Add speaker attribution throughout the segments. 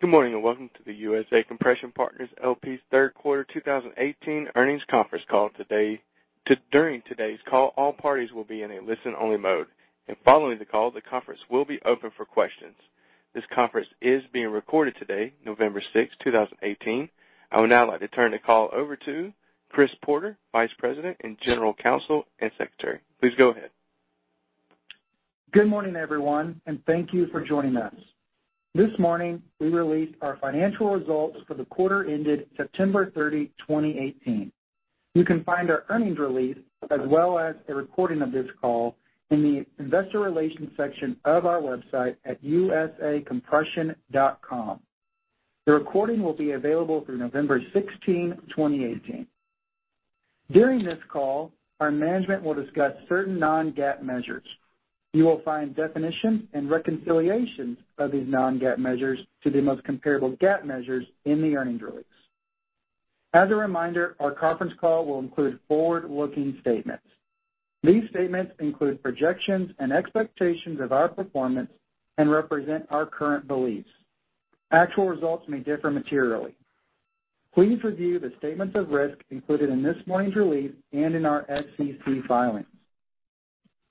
Speaker 1: Good morning, and welcome to the USA Compression Partners LP's third quarter 2018 earnings conference call. During today's call, all parties will be in a listen-only mode. Following the call, the conference will be open for questions. This conference is being recorded today, November 6, 2018. I would now like to turn the call over to Chris Porter, Vice President, General Counsel and Secretary. Please go ahead.
Speaker 2: Good morning, everyone, and thank you for joining us. This morning, we released our financial results for the quarter ended September 30, 2018. You can find our earnings release, as well as a recording of this call in the investor relations section of our website at usacompression.com. The recording will be available through November 16, 2018. During this call, our management will discuss certain non-GAAP measures. You will find definitions and reconciliations of these non-GAAP measures to the most comparable GAAP measures in the earnings release. As a reminder, our conference call will include forward-looking statements. These statements include projections and expectations of our performance and represent our current beliefs. Actual results may differ materially. Please review the statements of risk included in this morning's release and in our SEC filings.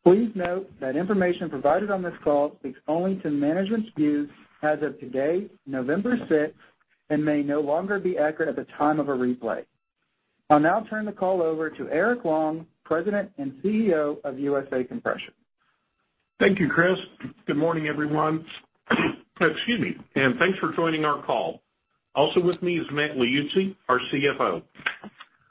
Speaker 2: Please note that information provided on this call speaks only to management's views as of today, November 6th, and may no longer be accurate at the time of a replay. I'll now turn the call over to Eric Long, President and Chief Executive Officer of USA Compression.
Speaker 3: Thank you, Chris. Good morning, everyone. Excuse me, and thanks for joining our call. Also with me is Matt Liuzzi, our CFO.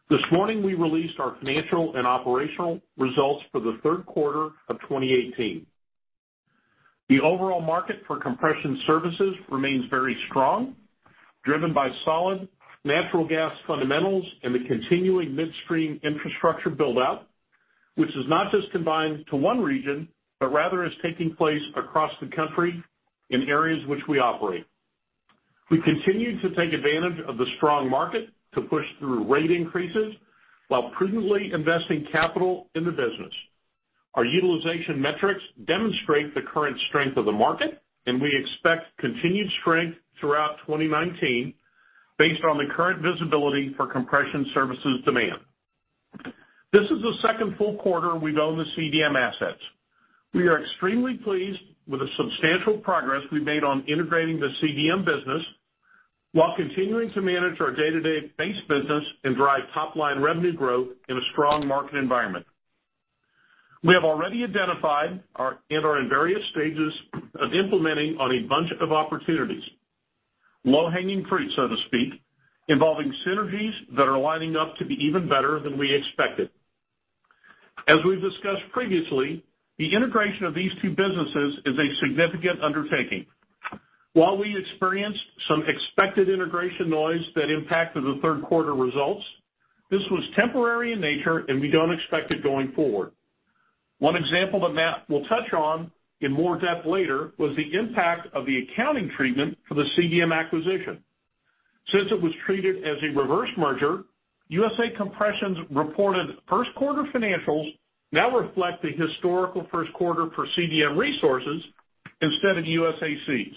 Speaker 3: This morning, we released our financial and operational results for the third quarter of 2018. The overall market for compression services remains very strong, driven by solid natural gas fundamentals and the continuing midstream infrastructure build-out, which is not just confined to one region, but rather is taking place across the country in areas which we operate. We continue to take advantage of the strong market to push through rate increases while prudently investing capital in the business. Our utilization metrics demonstrate the current strength of the market, and we expect continued strength throughout 2019 based on the current visibility for compression services demand. This is the second full quarter we've owned the CDM assets. We are extremely pleased with the substantial progress we've made on integrating the CDM business while continuing to manage our day-to-day base business and drive top-line revenue growth in a strong market environment. We have already identified and are in various stages of implementing on a bunch of opportunities, low-hanging fruit, so to speak, involving synergies that are lining up to be even better than we expected. As we've discussed previously, the integration of these two businesses is a significant undertaking. While we experienced some expected integration noise that impacted the third quarter results, this was temporary in nature, and we don't expect it going forward. One example that Matt will touch on in more depth later was the impact of the accounting treatment for the CDM acquisition. Since it was treated as a reverse merger, USA Compression's reported first quarter financials now reflect the historical first quarter for CDM Resources instead of USAC's,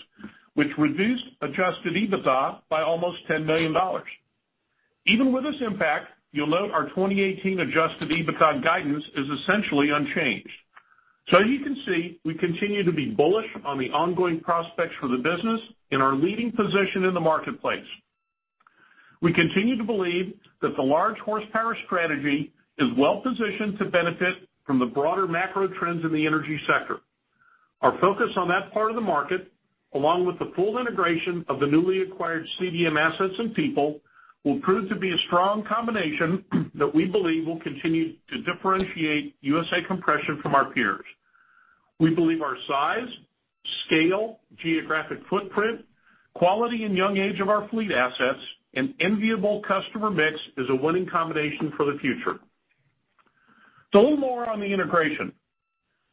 Speaker 3: which reduced adjusted EBITDA by almost $10 million. Even with this impact, you'll note our 2018 adjusted EBITDA guidance is essentially unchanged. As you can see, we continue to be bullish on the ongoing prospects for the business and our leading position in the marketplace. We continue to believe that the large horsepower strategy is well-positioned to benefit from the broader macro trends in the energy sector. Our focus on that part of the market, along with the full integration of the newly acquired CDM assets and people, will prove to be a strong combination that we believe will continue to differentiate USA Compression from our peers. We believe our size, scale, geographic footprint, quality and young age of our fleet assets, and enviable customer mix is a winning combination for the future. A little more on the integration.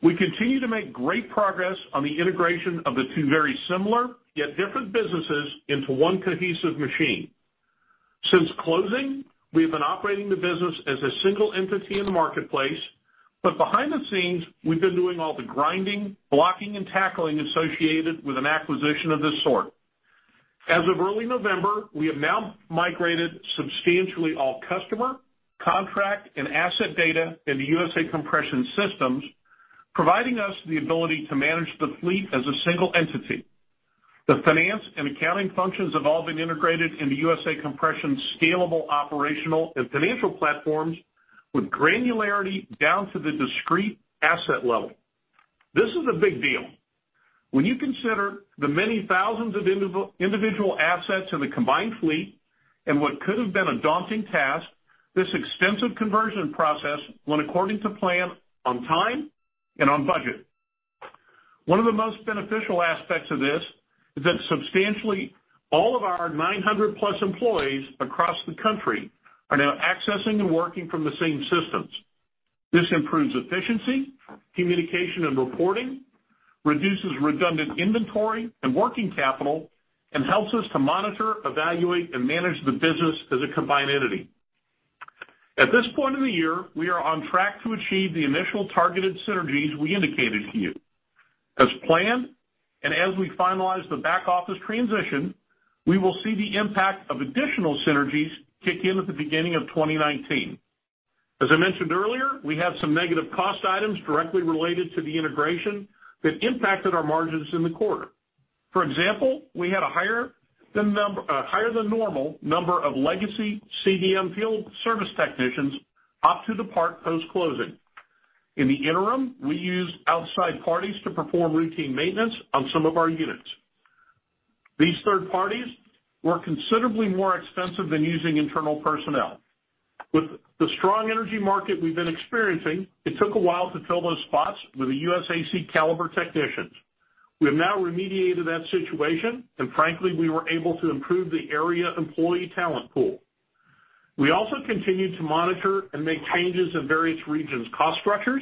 Speaker 3: We continue to make great progress on the integration of the two very similar yet different businesses into one cohesive machine. Since closing, we've been operating the business as a single entity in the marketplace, but behind the scenes, we've been doing all the grinding, blocking, and tackling associated with an acquisition of this sort. As of early November, we have now migrated substantially all customer, contract, and asset data into USA Compression systems, providing us the ability to manage the fleet as a single entity. The finance and accounting functions have all been integrated into USA Compression's scalable operational and financial platforms with granularity down to the discrete asset level. This is a big deal. When you consider the many thousands of individual assets in the combined fleet and what could have been a daunting task, this extensive conversion process went according to plan, on time and on budget. One of the most beneficial aspects of this is that substantially all of our 900-plus employees across the country are now accessing and working from the same systems. This improves efficiency, communication, and reporting, reduces redundant inventory and working capital, and helps us to monitor, evaluate, and manage the business as a combined entity. At this point in the year, we are on track to achieve the initial targeted synergies we indicated to you. As planned, and as we finalize the back-office transition, we will see the impact of additional synergies kick in at the beginning of 2019. As I mentioned earlier, we have some negative cost items directly related to the integration that impacted our margins in the quarter. For example, we had a higher than normal number of legacy CDM field service technicians opt to depart post-closing. In the interim, we used outside parties to perform routine maintenance on some of our units. These third parties were considerably more expensive than using internal personnel. With the strong energy market we've been experiencing, it took a while to fill those spots with the USAC caliber technicians. We have now remediated that situation, and frankly, we were able to improve the area employee talent pool. We also continued to monitor and make changes in various regions' cost structures,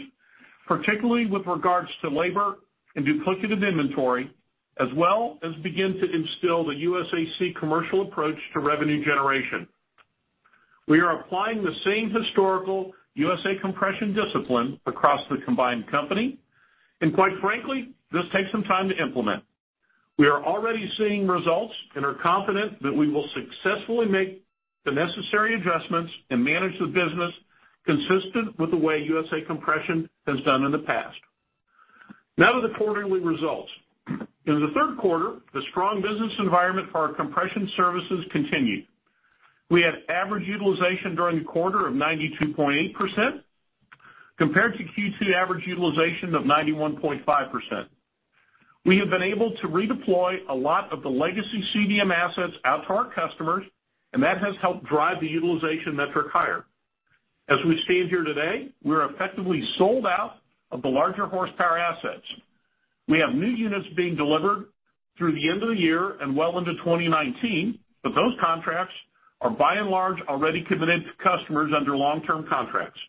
Speaker 3: particularly with regards to labor and duplicative inventory, as well as begin to instill the USAC commercial approach to revenue generation. We are applying the same historical USA Compression discipline across the combined company. Quite frankly, this takes some time to implement. We are already seeing results and are confident that we will successfully make the necessary adjustments and manage the business consistent with the way USA Compression has done in the past. Now to the quarterly results. In the third quarter, the strong business environment for our compression services continued. We had average utilization during the quarter of 92.8%, compared to Q2 average utilization of 91.5%. We have been able to redeploy a lot of the legacy CDM assets out to our customers, and that has helped drive the utilization metric higher. As we stand here today, we are effectively sold out of the larger horsepower assets. We have new units being delivered through the end of the year and well into 2019. Those contracts are by and large already committed to customers under long-term contracts.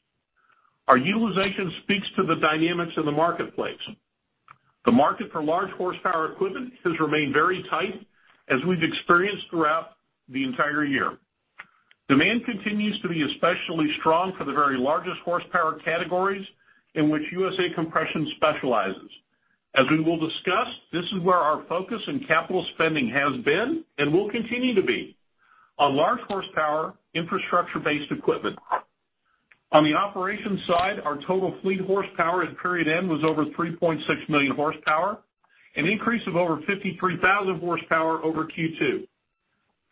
Speaker 3: Our utilization speaks to the dynamics in the marketplace. The market for large horsepower equipment has remained very tight as we've experienced throughout the entire year. Demand continues to be especially strong for the very largest horsepower categories in which USA Compression specializes. As we will discuss, this is where our focus and capital spending has been and will continue to be, on large horsepower infrastructure-based equipment. On the operations side, our total fleet horsepower at period end was over 3.6 million horsepower, an increase of over 53,000 horsepower over Q2.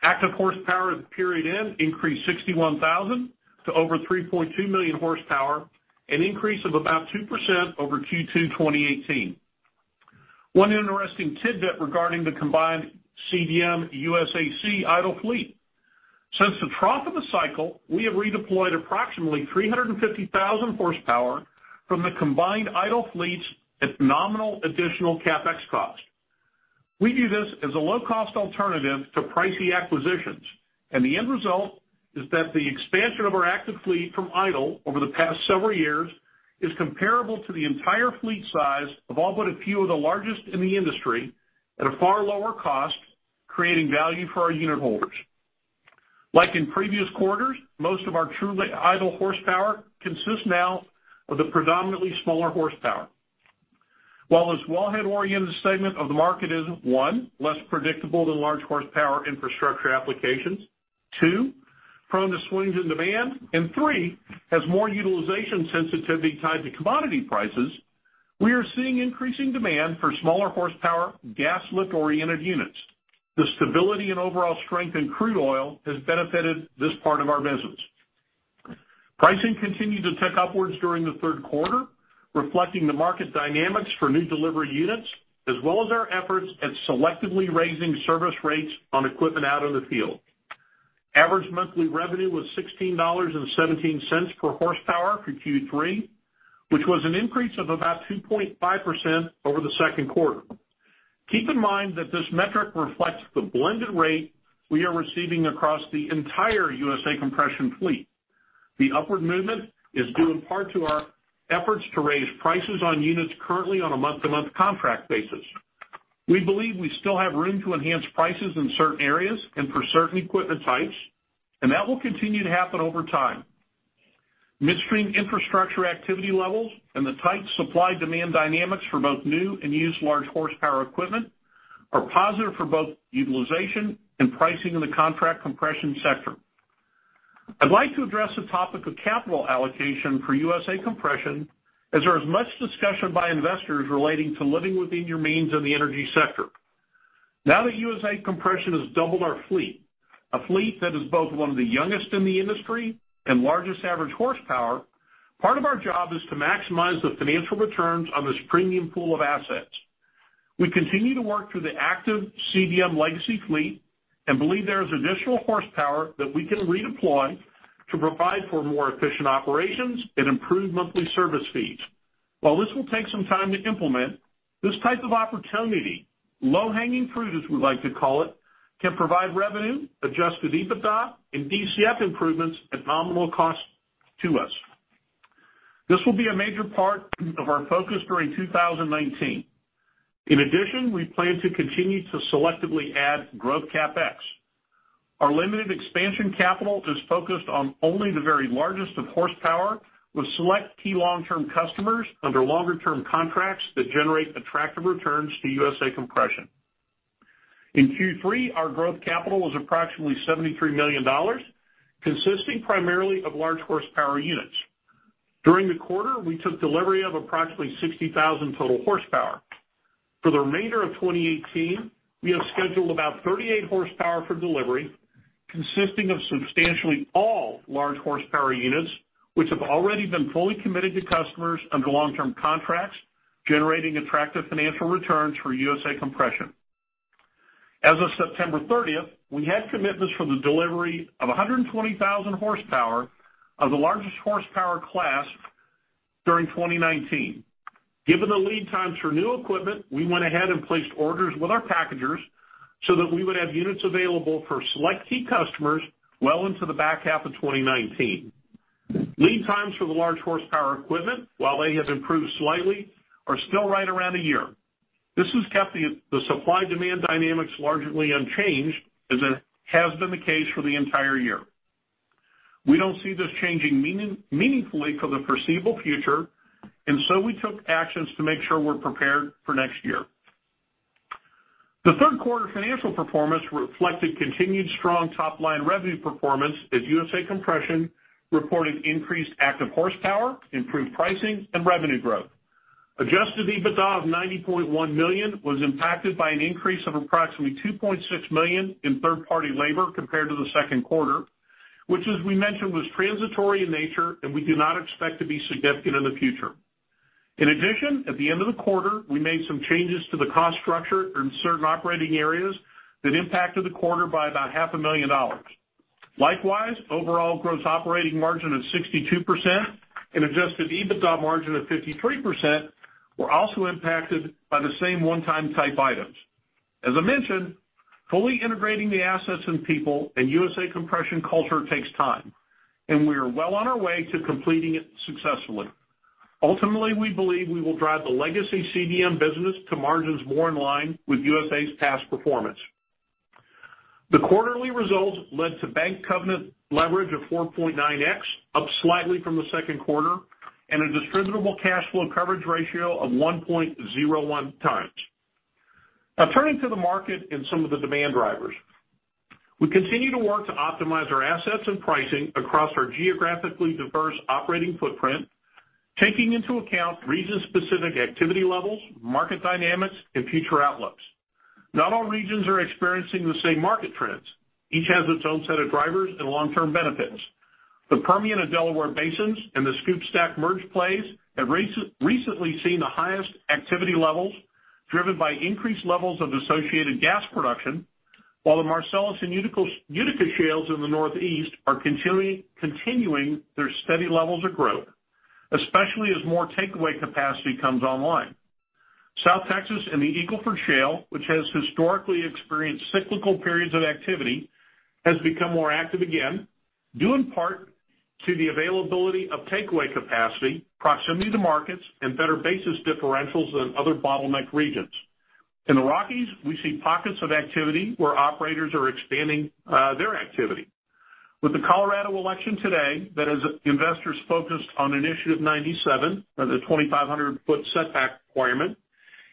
Speaker 3: Active horsepower at the period end increased 61,000 to over 3.2 million horsepower, an increase of about 2% over Q2 2018. One interesting tidbit regarding the combined CDM USAC idle fleet. Since the trough of the cycle, we have redeployed approximately 350,000 horsepower from the combined idle fleets at nominal additional CapEx cost. We view this as a low-cost alternative to pricey acquisitions. The end result is that the expansion of our active fleet from idle over the past several years is comparable to the entire fleet size of all but a few of the largest in the industry at a far lower cost, creating value for our unitholders. Like in previous quarters, most of our truly idle horsepower consists now of the predominantly smaller horsepower. While this wellhead-oriented segment of the market is, one, less predictable than large horsepower infrastructure applications. Two, prone to swings in demand. Three, has more utilization sensitivity tied to commodity prices. We are seeing increasing demand for smaller horsepower gas lift-oriented units. The stability and overall strength in crude oil has benefited this part of our business. Pricing continued to tick upwards during the third quarter, reflecting the market dynamics for new delivery units, as well as our efforts at selectively raising service rates on equipment out in the field. Average monthly revenue was $16.17 per horsepower for Q3, which was an increase of about 2.5% over the second quarter. Keep in mind that this metric reflects the blended rate we are receiving across the entire USA Compression fleet. The upward movement is due in part to our efforts to raise prices on units currently on a month-to-month contract basis. We believe we still have room to enhance prices in certain areas and for certain equipment types, that will continue to happen over time. Midstream infrastructure activity levels and the tight supply-demand dynamics for both new and used large horsepower equipment are positive for both utilization and pricing in the contract compression sector. I'd like to address the topic of capital allocation for USA Compression, as there is much discussion by investors relating to living within your means in the energy sector. Now that USA Compression has doubled our fleet, a fleet that is both one of the youngest in the industry and largest average horsepower, part of our job is to maximize the financial returns on this premium pool of assets. We continue to work through the active CDM legacy fleet and believe there is additional horsepower that we can redeploy to provide for more efficient operations and improved monthly service fees. While this will take some time to implement, this type of opportunity, low-hanging fruit, as we like to call it, can provide revenue, adjusted EBITDA, and DCF improvements at nominal cost to us. This will be a major part of our focus during 2019. In addition, we plan to continue to selectively add growth CapEx. Our limited expansion capital is focused on only the very largest of horsepower with select key long-term customers under longer-term contracts that generate attractive returns to USA Compression. In Q3, our growth capital was approximately $73 million, consisting primarily of large horsepower units. During the quarter, we took delivery of approximately 60,000 total horsepower. For the remainder of 2018, we have scheduled about 38 horsepower for delivery, consisting of substantially all large horsepower units, which have already been fully committed to customers under long-term contracts, generating attractive financial returns for USA Compression. As of September 30th, we had commitments for the delivery of 120,000 horsepower of the largest horsepower class during 2019. Given the lead times for new equipment, we went ahead and placed orders with our packagers so that we would have units available for select key customers well into the back half of 2019. Lead times for the large horsepower equipment, while they have improved slightly, are still right around a year. This has kept the supply-demand dynamics largely unchanged, as has been the case for the entire year. We don't see this changing meaningfully for the foreseeable future, so we took actions to make sure we're prepared for next year. The third quarter financial performance reflected continued strong top-line revenue performance as USA Compression reported increased active horsepower, improved pricing, and revenue growth. Adjusted EBITDA of $90.1 million was impacted by an increase of approximately $2.6 million in third-party labor compared to the second quarter, which, as we mentioned, was transitory in nature, and we do not expect to be significant in the future. In addition, at the end of the quarter, we made some changes to the cost structure in certain operating areas that impacted the quarter by about half a million dollars. Likewise, overall gross operating margin of 62% and adjusted EBITDA margin of 53% were also impacted by the same one-time type items. As I mentioned, fully integrating the assets and people in USA Compression culture takes time, and we are well on our way to completing it successfully. Ultimately, we believe we will drive the legacy CDM business to margins more in line with USA's past performance. The quarterly results led to bank covenant leverage of 4.9x, up slightly from the second quarter, and a distributable cash flow coverage ratio of 1.01 times. Turning to the market and some of the demand drivers. We continue to work to optimize our assets and pricing across our geographically diverse operating footprint, taking into account region-specific activity levels, market dynamics, and future outlooks. Not all regions are experiencing the same market trends. Each has its own set of drivers and long-term benefits. The Permian and Delaware Basins and the SCOOP/STACK/Merge plays have recently seen the highest activity levels, driven by increased levels of associated gas production, while the Marcellus and Utica shales in the Northeast are continuing their steady levels of growth, especially as more takeaway capacity comes online. South Texas and the Eagle Ford Shale, which has historically experienced cyclical periods of activity, has become more active again, due in part to the availability of takeaway capacity, proximity to markets, and better basis differentials than other bottleneck regions. In the Rockies, we see pockets of activity where operators are expanding their activity. With the Colorado election today that has investors focused on Initiative 97, the 2,500-foot setback requirement,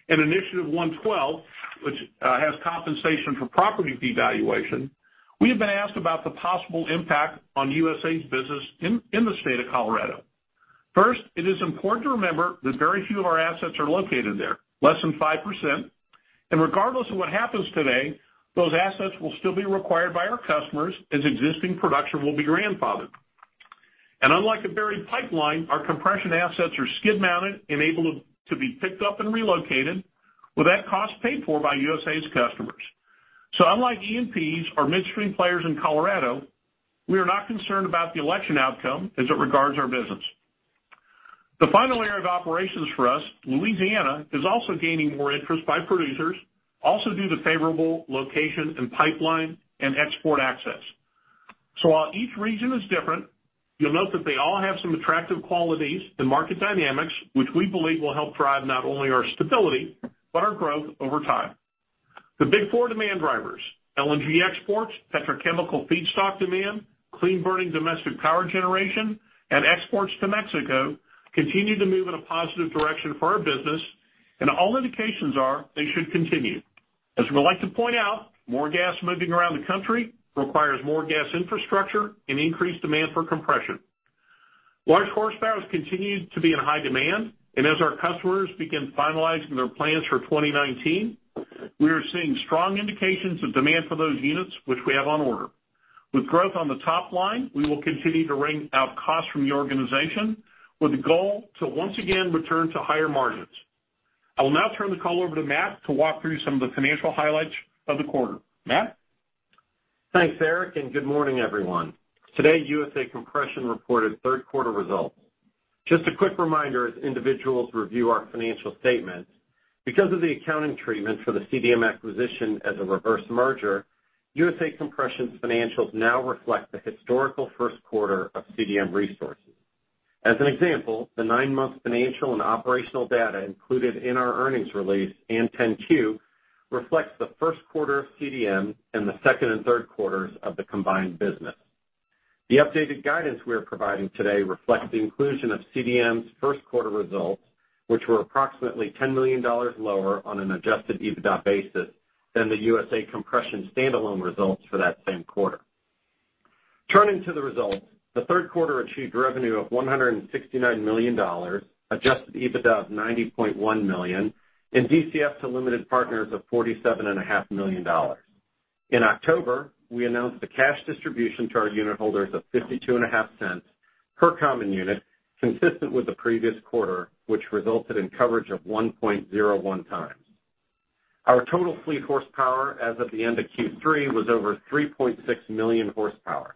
Speaker 3: and Proposition 112, which has compensation for property devaluation, we have been asked about the possible impact on USA's business in the state of Colorado. First, it is important to remember that very few of our assets are located there, less than 5%. Regardless of what happens today, those assets will still be required by our customers as existing production will be grandfathered. Unlike a buried pipeline, our compression assets are skid-mounted and able to be picked up and relocated with that cost paid for by USA's customers. Unlike E&Ps or midstream players in Colorado, we are not concerned about the election outcome as it regards our business. The final area of operations for us, Louisiana, is also gaining more interest by producers, also due to favorable location and pipeline and export access. While each region is different, you'll note that they all have some attractive qualities and market dynamics, which we believe will help drive not only our stability, but our growth over time. The big four demand drivers, LNG exports, petrochemical feedstock demand, clean-burning domestic power generation, and exports to Mexico, continue to move in a positive direction for our business, and all indications are they should continue. As we like to point out, more gas moving around the country requires more gas infrastructure and increased demand for compression. Large horsepower has continued to be in high demand, and as our customers begin finalizing their plans for 2019, we are seeing strong indications of demand for those units which we have on order. With growth on the top line, we will continue to wring out costs from the organization with the goal to once again return to higher margins. I will now turn the call over to Matt to walk through some of the financial highlights of the quarter. Matt?
Speaker 4: Thanks, Eric, and good morning, everyone. Today, USA Compression reported third quarter results. Just a quick reminder as individuals review our financial statements. Because of the accounting treatment for the CDM acquisition as a reverse merger, USA Compression's financials now reflect the historical first quarter of CDM Resources. As an example, the nine-month financial and operational data included in our earnings release and 10-Q reflects the first quarter of CDM and the second and third quarters of the combined business. The updated guidance we are providing today reflects the inclusion of CDM's first quarter results, which were approximately $10 million lower on an adjusted EBITDA basis than the USA Compression standalone results for that same quarter. Turning to the results, the third quarter achieved revenue of $169 million, adjusted EBITDA of $90.1 million, and DCF to limited partners of $47.5 million. In October, we announced a cash distribution to our unit holders of $0.525 per common unit, consistent with the previous quarter, which resulted in coverage of 1.01 times. Our total fleet horsepower as of the end of Q3 was over 3.6 million horsepower.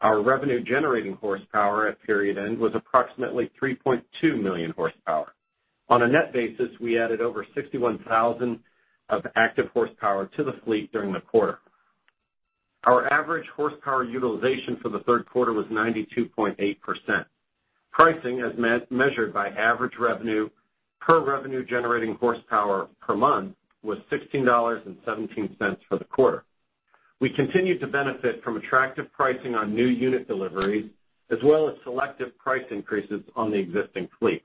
Speaker 4: Our revenue-generating horsepower at period end was approximately 3.2 million horsepower. On a net basis, we added over 61,000 of active horsepower to the fleet during the quarter. Our average horsepower utilization for the third quarter was 92.8%. Pricing, as measured by average revenue per revenue generating horsepower per month, was $16.17 for the quarter. We continued to benefit from attractive pricing on new unit deliveries, as well as selective price increases on the existing fleet.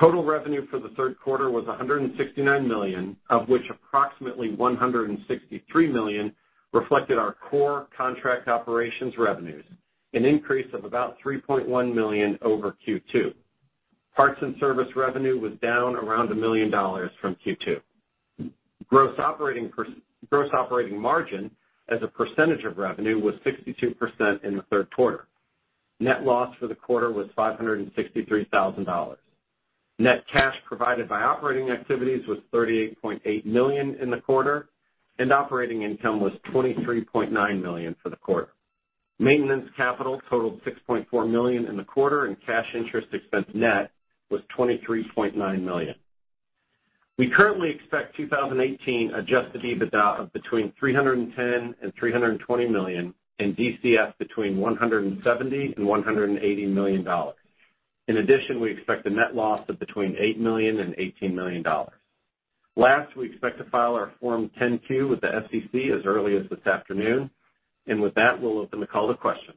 Speaker 4: Total revenue for the third quarter was $169 million, of which approximately $163 million reflected our core contract operations revenues, an increase of about $3.1 million over Q2. Parts and service revenue was down around $1 million from Q2. Gross operating margin as a percentage of revenue was 62% in the third quarter. Net loss for the quarter was $563,000. Net cash provided by operating activities was $38.8 million in the quarter, and operating income was $23.9 million for the quarter. Maintenance capital totaled $6.4 million in the quarter, and cash interest expense net was $23.9 million. We currently expect 2018 adjusted EBITDA of between $310 million and $320 million, and DCF between $170 million and $180 million. In addition, we expect a net loss of between $8 million and $18 million. Last, we expect to file our Form 10-Q with the SEC as early as this afternoon. With that, we'll open the call to questions.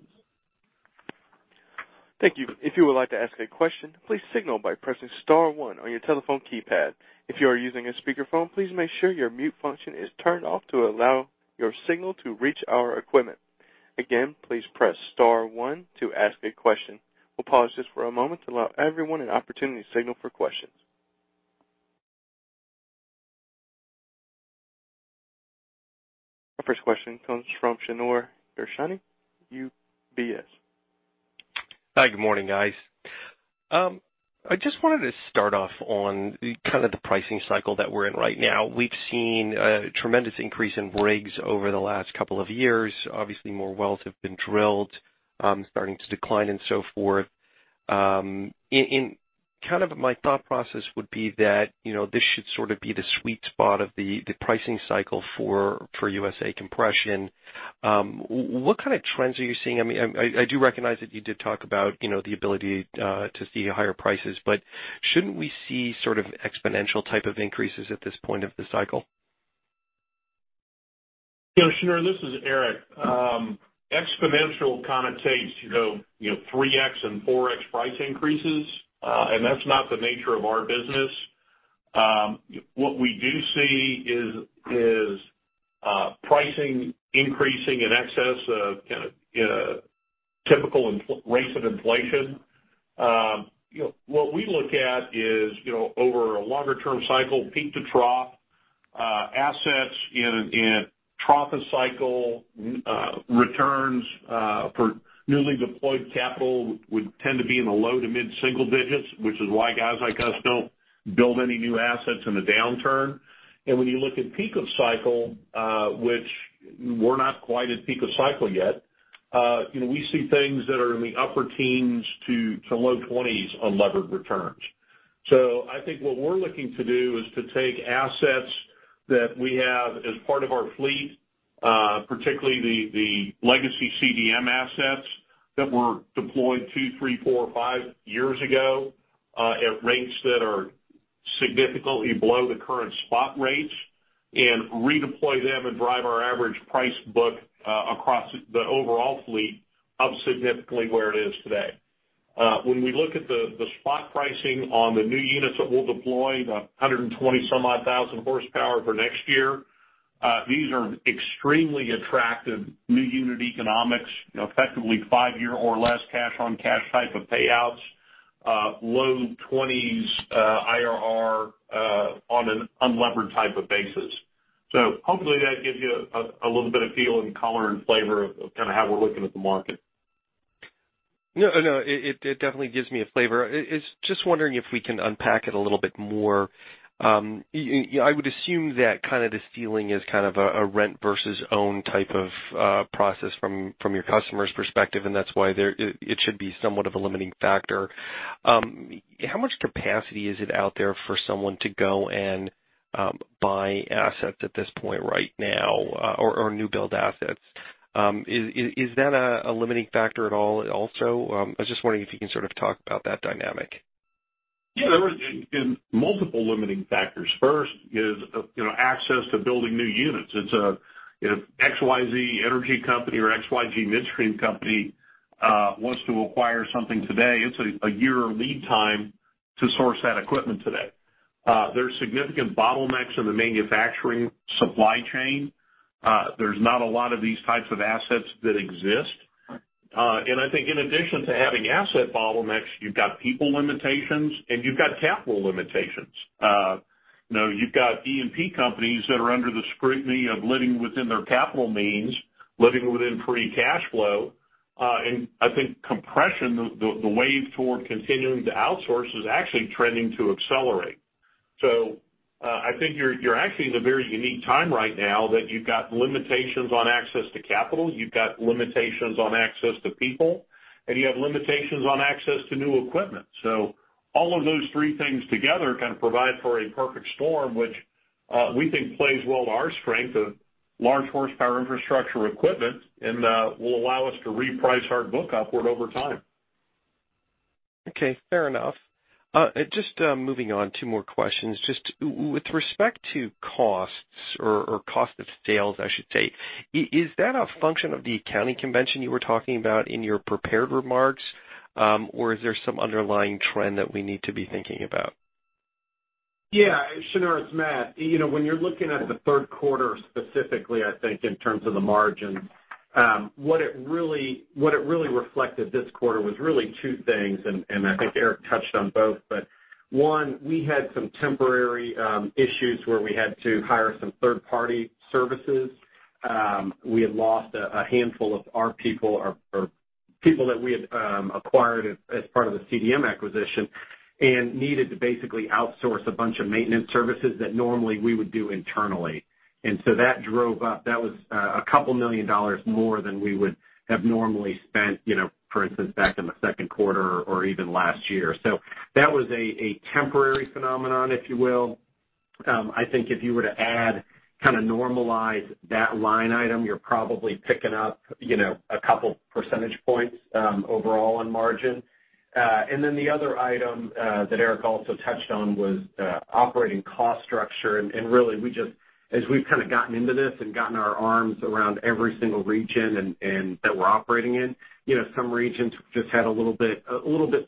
Speaker 1: Thank you. If you would like to ask a question, please signal by pressing star one on your telephone keypad. If you are using a speakerphone, please make sure your mute function is turned off to allow your signal to reach our equipment. Again, please press star one to ask a question. We'll pause this for a moment to allow everyone an opportunity to signal for questions. Our first question comes from Shneur Gershuni, UBS.
Speaker 5: Hi, good morning, guys. I just wanted to start off on kind of the pricing cycle that we're in right now. We've seen a tremendous increase in rigs over the last couple of years. Obviously, more wells have been drilled, starting to decline and so forth. Kind of my thought process would be that this should sort of be the sweet spot of the pricing cycle for USA Compression. What kind of trends are you seeing? I do recognize that you did talk about the ability to see higher prices, but shouldn't we see sort of exponential type of increases at this point of the cycle?
Speaker 3: Shneur, this is Eric. Exponential connotates 3x and 4x price increases. That's not the nature of our business. What we do see is pricing increasing in excess of kind of typical rates of inflation. What we look at is over a longer-term cycle, peak to trough, assets in a trough of cycle returns for newly deployed capital would tend to be in the low to mid-single digits, which is why guys like us don't build any new assets in a downturn. When you look at peak of cycle, which we're not quite at peak of cycle yet, we see things that are in the upper teens to low 20s on levered returns.
Speaker 4: I think what we're looking to do is to take assets that we have as part of our fleet, particularly the legacy CDM assets that were deployed two, three, four, five years ago, at rates that are significantly below the current spot rates, and redeploy them and drive our average price book across the overall fleet up significantly where it is today. When we look at the spot pricing on the new units that we'll deploy, the 120 some odd thousand horsepower for next year, these are extremely attractive new unit economics, effectively five-year or less cash-on-cash type of payouts, low 20s IRR on an unlevered type of basis. Hopefully, that gives you a little bit of feel and color and flavor of kind of how we're looking at the market.
Speaker 5: It definitely gives me a flavor. I'm just wondering if we can unpack it a little bit more. I would assume that kind of this feeling is kind of a rent versus own type of process from your customer's perspective, and that's why it should be somewhat of a limiting factor. How much capacity is it out there for someone to go and buy assets at this point right now or new build assets? Is that a limiting factor at all also? I was just wondering if you can sort of talk about that dynamic.
Speaker 3: Yeah. There were multiple limiting factors. First is access to building new units. If XYZ Energy Company or XYZ Midstream Company wants to acquire something today, it's a year lead time to source that equipment today. There are significant bottlenecks in the manufacturing supply chain. There are not a lot of these types of assets that exist. I think in addition to having asset bottlenecks, you've got people limitations and you've got capital limitations. You've got E&P companies that are under the scrutiny of living within their capital means, living within free cash flow. I think compression, the wave toward continuing to outsource, is actually trending to accelerate. I think you're actually in a very unique time right now that you've got limitations on access to capital, you've got limitations on access to people, and you have limitations on access to new equipment. All of those three things together kind of provide for a perfect storm, which we think plays well to our strength of large horsepower infrastructure equipment and will allow us to reprice our book upward over time.
Speaker 5: Okay, fair enough. Just moving on, two more questions. Just with respect to costs or cost of sales, I should say, is that a function of the accounting convention you were talking about in your prepared remarks? Or is there some underlying trend that we need to be thinking about?
Speaker 4: Yeah, Shneur, it's Matt. When you're looking at the third quarter specifically, I think in terms of the margin, what it really reflected this quarter was really two things. One, we had some temporary issues where we had to hire some third-party services. We had lost a handful of our people or people that we had acquired as part of the CDM acquisition and needed to basically outsource a bunch of maintenance services that normally we would do internally. That drove up. That was a couple million dollars more than we would have normally spent, for instance, back in the second quarter or even last year. That was a temporary phenomenon, if you will. I think if you were to add, kind of normalize that line item, you're probably picking up a couple percentage points overall on margin. The other item that Eric also touched on was operating cost structure. Really, as we've kind of gotten into this and gotten our arms around every single region that we're operating in, some regions just had a little bit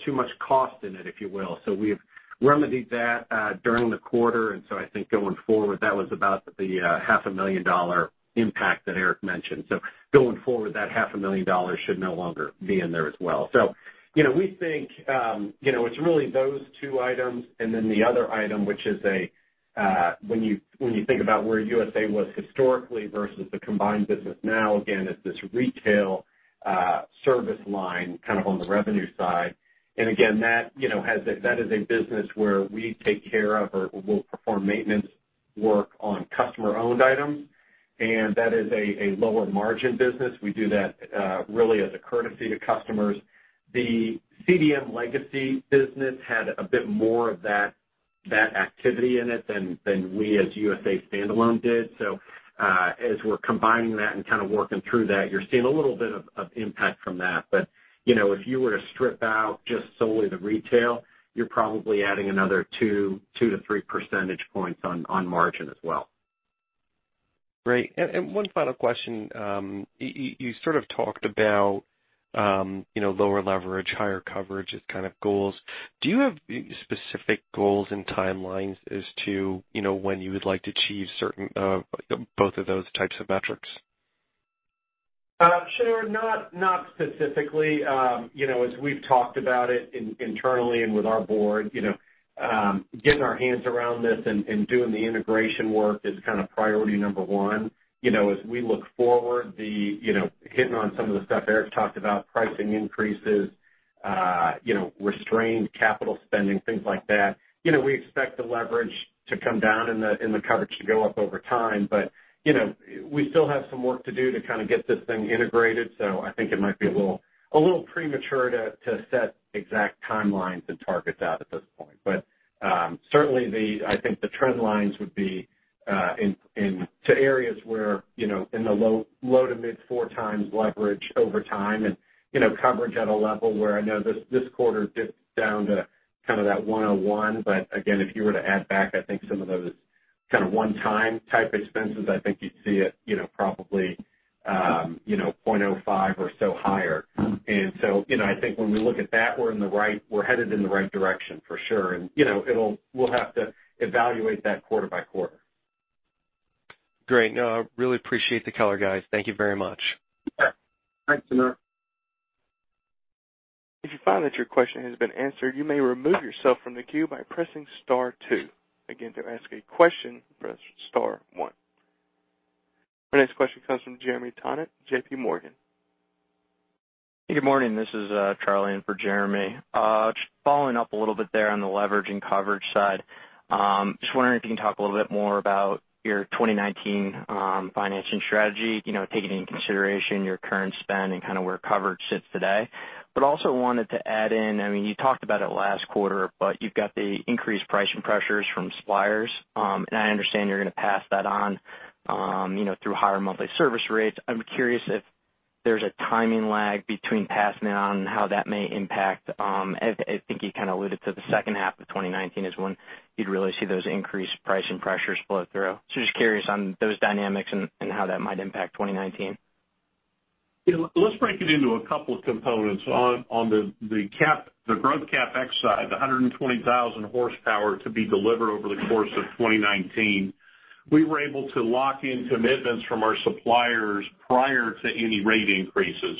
Speaker 4: too much cost in it, if you will. We've remedied that during the quarter, I think going forward, that was about the half a million dollar impact that Eric mentioned. Going forward, that half a million dollars should no longer be in there as well. We think it's really those two items. The other item, which is when you think about where USA was historically versus the combined business now, again, it's this retail service line kind of on the revenue side. Again, that is a business where we take care of or we'll perform maintenance work on customer-owned items, and that is a lower margin business. We do that really as a courtesy to customers. The CDM legacy business had a bit more of that activity in it than we as USA standalone did. As we're combining that and kind of working through that, you're seeing a little bit of impact from that. If you were to strip out just solely the retail, you're probably adding another two to three percentage points on margin as well.
Speaker 5: Great. One final question. You sort of talked about lower leverage, higher coverage as kind of goals. Do you have specific goals and timelines as to when you would like to achieve both of those types of metrics?
Speaker 4: Shneur, not specifically. As we've talked about it internally and with our board, getting our hands around this and doing the integration work is kind of priority number 1. As we look forward, hitting on some of the stuff Eric talked about, pricing increases, restrained capital spending, things like that. We expect the leverage to come down and the coverage to go up over time. We still have some work to do to kind of get this thing integrated. I think it might be a little premature to set exact timelines and targets out at this point. Certainly I think the trend lines would be to areas where in the low to mid 4x leverage over time and coverage at a level where I know this quarter dipped down to kind of that 101. Again, if you were to add back, I think some of those kind of one-time type expenses, I think you'd see it probably 0.05 or so higher. I think when we look at that, we're headed in the right direction for sure. We'll have to evaluate that quarter by quarter.
Speaker 5: Great. No, I really appreciate the color, guys. Thank you very much.
Speaker 4: Yeah. Thanks, Shneur.
Speaker 1: If you find that your question has been answered, you may remove yourself from the queue by pressing star 2. Again, to ask a question, press star 1. Our next question comes from Jeremy Tonet, J.P. Morgan.
Speaker 6: Good morning. This is Charlie in for Jeremy. Just following up a little bit there on the leverage and coverage side. Just wondering if you can talk a little bit more about your 2019 financing strategy, taking into consideration your current spend and where coverage sits today. Also wanted to add in, you talked about it last quarter, but you've got the increased pricing pressures from suppliers. I understand you're going to pass that on through higher monthly service rates. I'm curious if there's a timing lag between passing it on and how that may impact. I think you kind of alluded to the second half of 2019 as when you'd really see those increased pricing pressures flow through. Just curious on those dynamics and how that might impact 2019.
Speaker 3: Let's break it into a couple of components. On the growth CapEx side, the 120,000 horsepower to be delivered over the course of 2019, we were able to lock in commitments from our suppliers prior to any rate increases.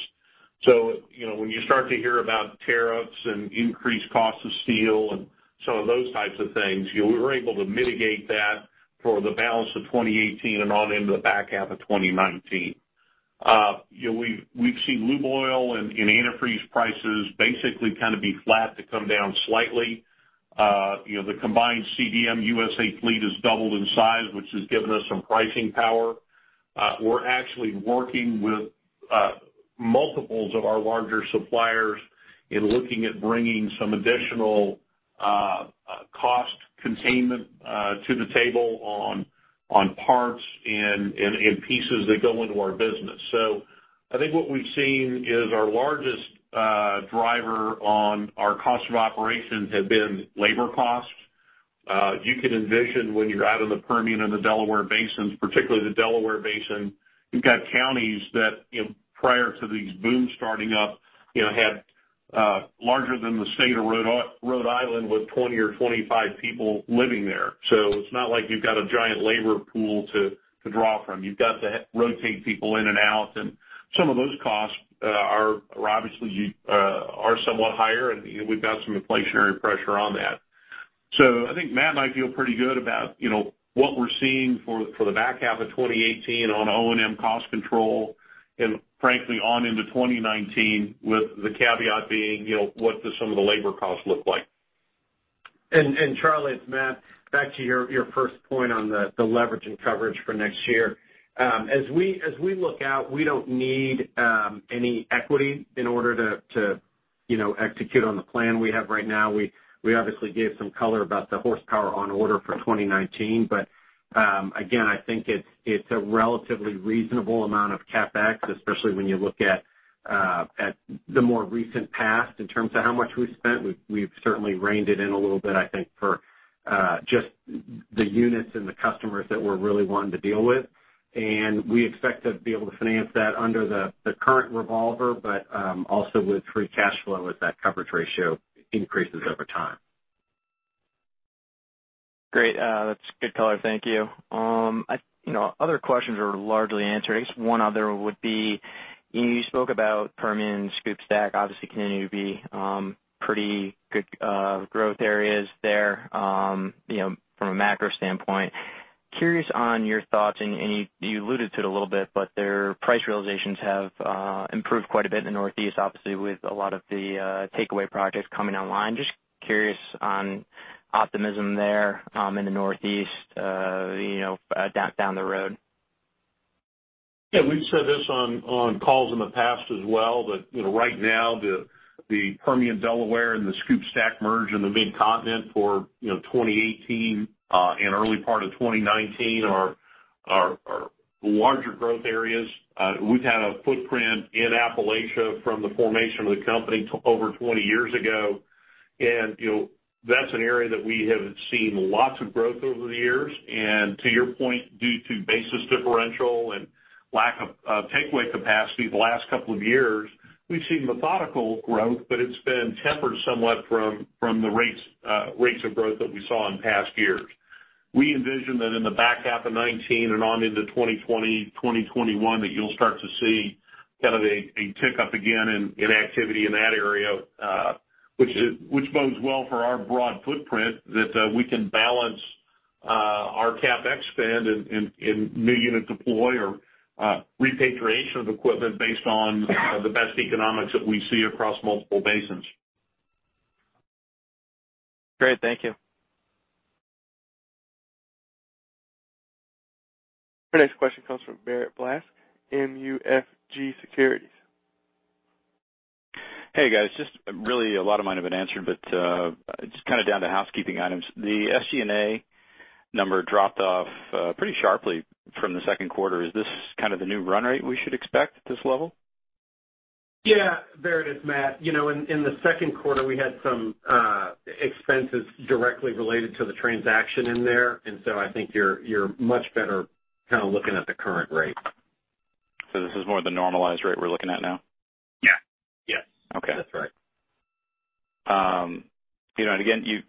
Speaker 3: When you start to hear about tariffs and increased costs of steel and some of those types of things, we were able to mitigate that for the balance of 2018 and on into the back half of 2019. We've seen lube oil and antifreeze prices basically kind of be flat to come down slightly. The combined CDM USA fleet has doubled in size, which has given us some pricing power. We're actually working with multiples of our larger suppliers in looking at bringing some additional cost containment to the table on parts and pieces that go into our business. I think what we've seen is our largest driver on our cost of operations have been labor costs. You can envision when you're out in the Permian and the Delaware Basins, particularly the Delaware Basin, you've got counties that, prior to these booms starting up, had larger than the state of Rhode Island with 20 or 25 people living there. It's not like you've got a giant labor pool to draw from. You've got to rotate people in and out, and some of those costs obviously are somewhat higher, and we've got some inflationary pressure on that. I think Matt and I feel pretty good about what we're seeing for the back half of 2018 on O&M cost control and frankly on into 2019, with the caveat being what do some of the labor costs look like.
Speaker 4: Charlie, it's Matt. Back to your first point on the leverage and coverage for next year. As we look out, we don't need any equity in order to execute on the plan we have right now. We obviously gave some color about the horsepower on order for 2019. Again, I think it's a relatively reasonable amount of CapEx, especially when you look at the more recent past in terms of how much we've spent. We've certainly reined it in a little bit, I think, for just the units and the customers that we're really wanting to deal with. We expect to be able to finance that under the current revolver, but also with free cash flow as that coverage ratio increases over time.
Speaker 6: Great. That's good color. Thank you. Other questions are largely answered. I guess one other would be, you spoke about Permian, SCOOP/STACK obviously continuing to be pretty good growth areas there from a macro standpoint. Curious on your thoughts and you alluded to it a little bit, but their price realizations have improved quite a bit in the Northeast, obviously with a lot of the takeaway projects coming online. Just curious on optimism there in the Northeast down the road.
Speaker 3: We've said this on calls in the past as well, that right now the Permian Delaware and the SCOOP/STACK merge in the Mid-Continent for 2018 and early part of 2019 are larger growth areas. We've had a footprint in Appalachia from the formation of the company over 20 years ago. That's an area that we have seen lots of growth over the years. To your point, due to basis differential and lack of takeaway capacity the last couple of years, we've seen methodical growth, but it's been tempered somewhat from the rates of growth that we saw in past years. We envision that in the back half of 2019 and on into 2020, 2021, that you'll start to see kind of a tick up again in activity in that area which bodes well for our broad footprint that we can balance our CapEx spend in new unit deploy or repatriation of equipment based on the best economics that we see across multiple basins.
Speaker 6: Great. Thank you.
Speaker 1: Our next question comes from Barrett Blaschke, MUFG Securities.
Speaker 7: Hey, guys. Just really a lot of mine have been answered, just kind of down to housekeeping items. The SG&A number dropped off pretty sharply from the second quarter. Is this kind of the new run rate we should expect at this level?
Speaker 4: Yeah. Barrett, it's Matt. In the second quarter, we had some expenses directly related to the transaction in there, and so I think you're much better kind of looking at the current rate.
Speaker 7: This is more the normalized rate we're looking at now?
Speaker 4: Yeah. Yes.
Speaker 7: Okay.
Speaker 4: That's right.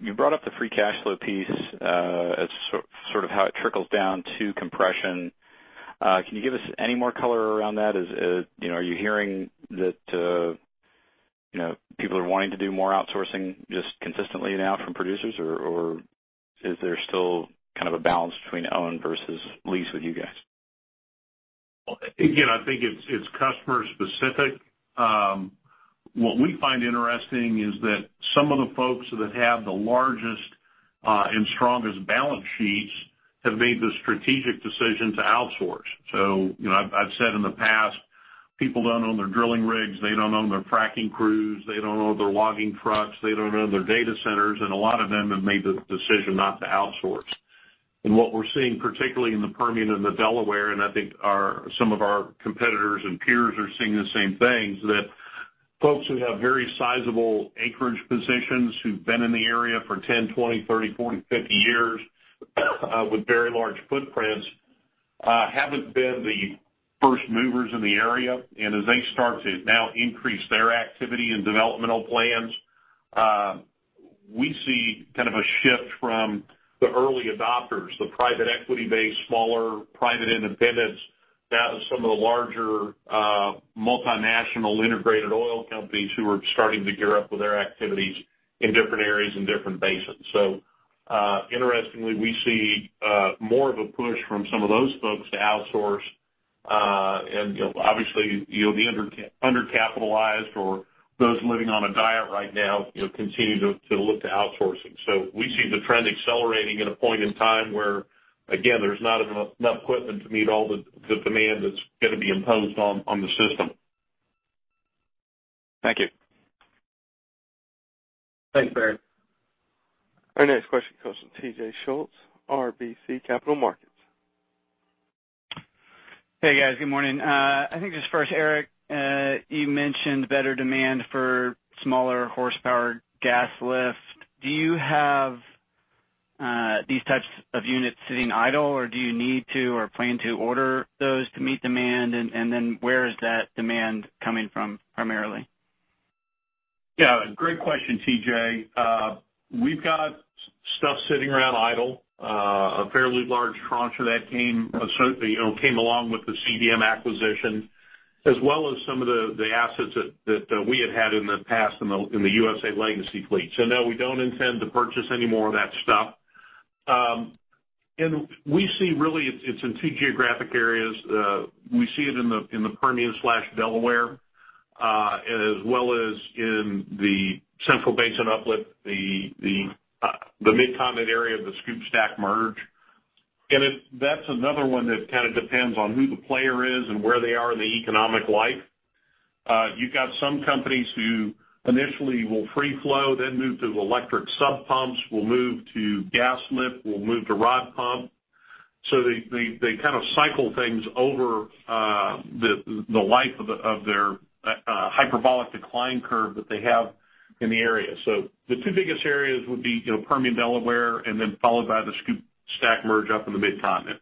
Speaker 7: You brought up the free cash flow piece as sort of how it trickles down to compression. Can you give us any more color around that? Are you hearing that people are wanting to do more outsourcing just consistently now from producers, or is there still kind of a balance between own versus lease with you guys?
Speaker 3: I think it's customer specific. What we find interesting is that some of the folks that have the largest and strongest balance sheets have made the strategic decision to outsource. I've said in the past, people don't own their drilling rigs, they don't own their fracking crews, they don't own their logging trucks, they don't own their data centers, and a lot of them have made the decision not to outsource. What we're seeing, particularly in the Permian and the Delaware, and I think some of our competitors and peers are seeing the same things, that folks who have very sizable acreage positions, who've been in the area for 10, 20, 30, 40, 50 years with very large footprints, haven't been the first movers in the area. As they start to now increase their activity and developmental plans, we see kind of a shift from the early adopters, the private equity-based, smaller private independents, now some of the larger, multinational integrated oil companies who are starting to gear up with their activities in different areas and different basins. Interestingly, we see more of a push from some of those folks to outsource. Obviously, you have the undercapitalized or those living on a diet right now continue to look to outsourcing. We see the trend accelerating at a point in time where, again, there's not enough equipment to meet all the demand that's going to be imposed on the system.
Speaker 7: Thank you.
Speaker 3: Thanks, Barrett.
Speaker 1: Our next question comes from TJ Schultz, RBC Capital Markets.
Speaker 8: Hey, guys. Good morning. I think just first, Eric, you mentioned better demand for smaller horsepower gas lift. Do you have these types of units sitting idle, or do you need to or plan to order those to meet demand? And then where is that demand coming from primarily?
Speaker 3: Yeah, great question, T.J. We've got stuff sitting around idle. A fairly large tranche of that came along with the CDM acquisition, as well as some of the assets that we had had in the past in the USA legacy fleet. No, we don't intend to purchase any more of that stuff. We see really it's in two geographic areas. We see it in the Permian/Delaware, as well as in the Central Basin Platform, the Midcontinent area of the SCOOP/STACK/Merge. That's another one that kind of depends on who the player is and where they are in the economic life. You've got some companies who initially will free flow, then move to electric sub pumps, will move to gas lift, will move to rod pump. They kind of cycle things over the life of their hyperbolic decline curve that they have in the area. The two biggest areas would be Permian, Delaware, and then followed by the SCOOP/STACK/Merge up in the Midcontinent.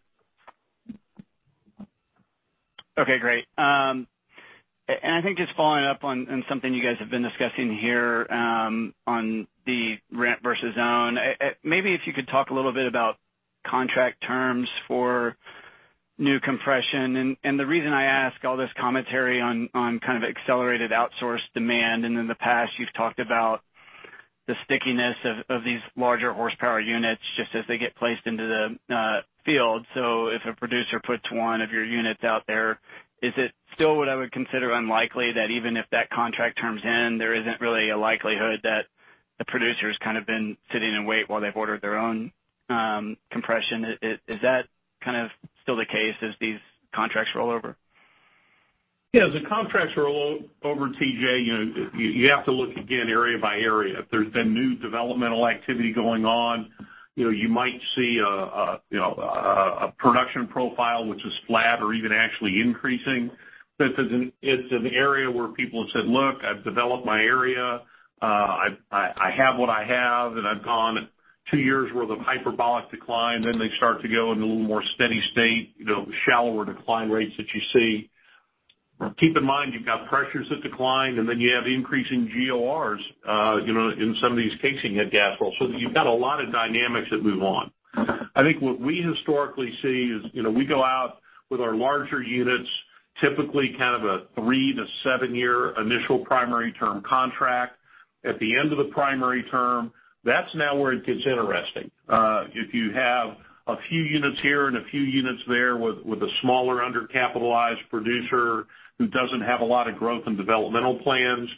Speaker 8: Okay, great. I think just following up on something you guys have been discussing here on the rent versus own, maybe if you could talk a little bit about contract terms for new compression. The reason I ask all this commentary on kind of accelerated outsourced demand, and in the past you've talked about the stickiness of these larger horsepower units just as they get placed into the field. If a producer puts one of your units out there, is it still what I would consider unlikely that even if that contract terms in, there isn't really a likelihood that the producer's kind of been sitting in wait while they've ordered their own compression? Is that kind of still the case as these contracts roll over?
Speaker 3: Yeah. The contracts roll over, T.J., you have to look again area by area. If there's been new developmental activity going on, you might see a production profile which is flat or even actually increasing. It's an area where people have said, "Look, I've developed my area. I have what I have, and I've gone two years worth of hyperbolic decline." They start to go into a little more steady state, shallower decline rates that you see. Keep in mind, you've got pressures that decline, and then you have increasing GORs in some of these casinghead gas wells, so you've got a lot of dynamics that move on. I think what we historically see is we go out with our larger units, typically kind of a three- to seven-year initial primary term contract. At the end of the primary term, that's now where it gets interesting. If you have a few units here and a few units there with a smaller undercapitalized producer who doesn't have a lot of growth and developmental plans,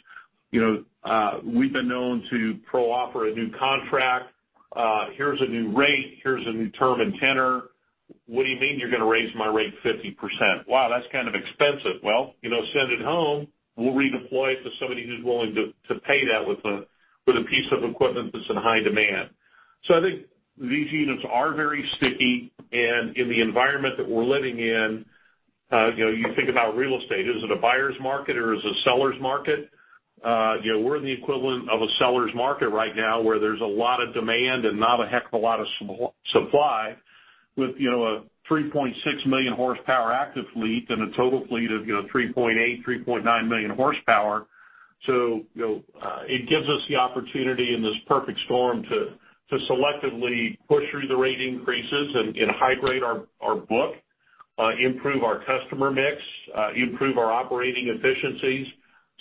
Speaker 3: we've been known to proffer a new contract. Here's a new rate, here's a new term and tenor. What do you mean you're going to raise my rate 50%? Wow, that's kind of expensive. Well, send it home. We'll redeploy it to somebody who's willing to pay that with a piece of equipment that's in high demand. I think these units are very sticky, and in the environment that we're living in, you think about real estate. Is it a buyer's market or is it a seller's market? We're in the equivalent of a seller's market right now, where there's a lot of demand and not a heck of a lot of supply with a 3.6 million horsepower active fleet and a total fleet of 3.8, 3.9 million horsepower. It gives us the opportunity in this perfect storm to selectively push through the rate increases and high grade our book, improve our customer mix, improve our operating efficiencies.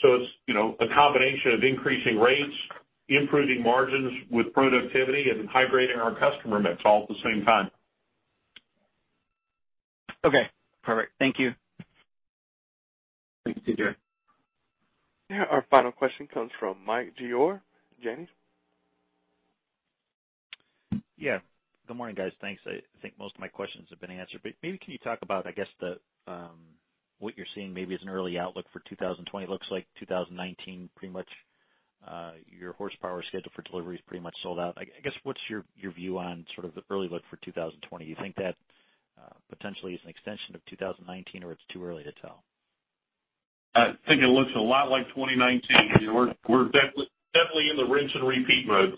Speaker 3: It's a combination of increasing rates, improving margins with productivity, and then high-grading our customer mix all at the same time.
Speaker 8: Okay, perfect. Thank you.
Speaker 3: Thanks, T.J.
Speaker 1: Yeah, our final question comes from Mike Gyure. Janney.
Speaker 9: Yeah. Good morning, guys. Thanks. I think most of my questions have been answered, but maybe can you talk about, I guess, what you're seeing maybe as an early outlook for 2020? Looks like 2019, pretty much your horsepower schedule for delivery is pretty much sold out. I guess, what's your view on sort of the early look for 2020? You think that potentially is an extension of 2019 or it's too early to tell?
Speaker 3: I think it looks a lot like 2019. We're definitely in the rinse and repeat mode.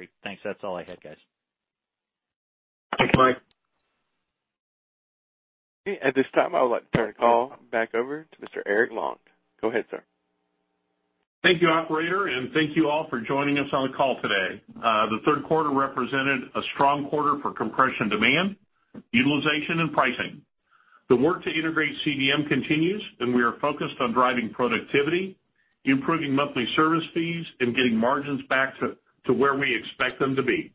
Speaker 9: Great. Thanks. That's all I had, guys.
Speaker 3: Thanks, Mike.
Speaker 1: At this time, I would like to turn the call back over to Mr. Eric Long. Go ahead, sir.
Speaker 3: Thank you, operator. Thank you all for joining us on the call today. The third quarter represented a strong quarter for compression demand, utilization, and pricing. The work to integrate CDM continues. We are focused on driving productivity, improving monthly service fees, and getting margins back to where we expect them to be.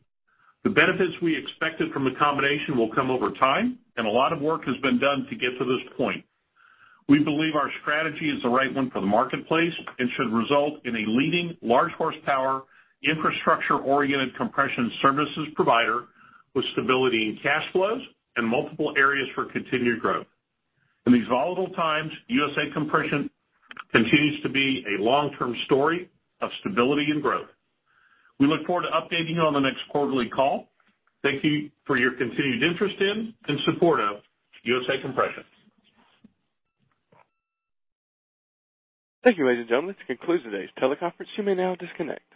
Speaker 3: The benefits we expected from the combination will come over time. A lot of work has been done to get to this point. We believe our strategy is the right one for the marketplace and should result in a leading large horsepower, infrastructure-oriented compression services provider with stability in cash flows and multiple areas for continued growth. In these volatile times, USA Compression continues to be a long-term story of stability and growth. We look forward to updating you on the next quarterly call. Thank you for your continued interest in and support of USA Compression.
Speaker 1: Thank you, ladies and gentlemen. This concludes today's teleconference. You may now disconnect.